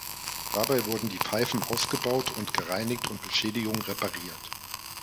Dabei wurden die Pfeifen ausgebaut und gereinigt und Beschädigungen repariert.